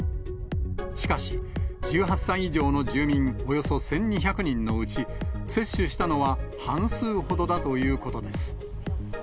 しかし、１８歳以上の住民およそ１２００人のうち、接種したのは半数ほどだということです。